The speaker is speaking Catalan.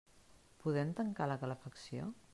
Podem tancar la calefacció?